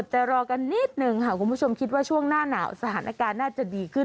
แต่รอกันนิดนึงค่ะคุณผู้ชมคิดว่าช่วงหน้าหนาวสถานการณ์น่าจะดีขึ้น